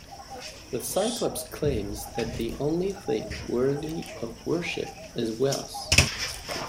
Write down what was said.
The cyclops claims that the only thing worthy of worship is wealth.